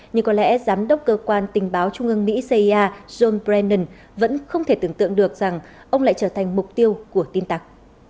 nhưng có lẽ giám đốc cơ quan tình báo trung ương mỹ cia john bran vẫn không thể tưởng tượng được rằng ông lại trở thành mục tiêu của tin tặc